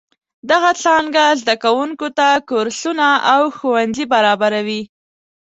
دغه څانګه زده کوونکو ته کورسونه او ښوونځي برابروي.